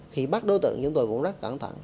khi bắt đối tượng chúng tôi cũng rất cẩn thận